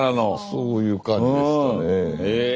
そういう感じですかね。